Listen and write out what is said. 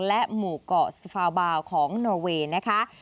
และหมู่เกาะสฟาบาวของโนเวย์นะคะ